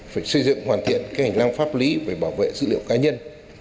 phải xây dựng hoàn thiện hành lang pháp lý về bảo vệ dữ liệu cá nhân